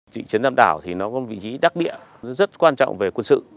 chỉ trấn tân đảo thì nó có vị trí đắc địa rất quan trọng về quân sự